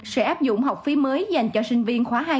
sẽ áp dụng học phí mới dành cho sinh viên khóa hai